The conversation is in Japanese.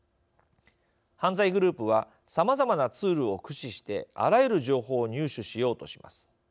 犯罪グループはさまざまなツールを駆使してあらゆる情報を入手しようとします。